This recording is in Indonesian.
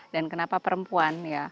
dan kenapa perempuan